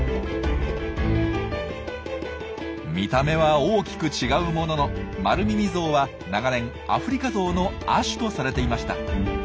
見た目は大きく違うもののマルミミゾウは長年アフリカゾウの亜種とされていました。